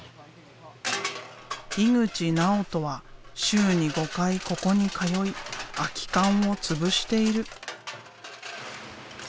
井口直人は週に５回ここに通い空き缶をつぶしている。